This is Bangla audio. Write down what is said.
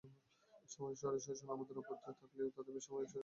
সামরিক স্বৈরশাসন নিয়ে আমাদের আপত্তি থাকলেও আমরা বেসামরিক স্বৈরশাসন মেনে নিয়েছি।